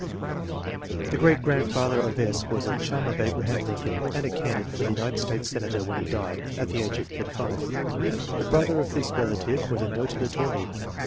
The great grandfather of S. was a chum pf Abraham Lincoln and a candidate for United States Senator when he died, at the age of 35. The brother of this relative was a noted attorney.